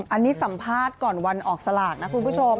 อันนี้สัมภาษณ์ก่อนวันออกสลากนะคุณผู้ชม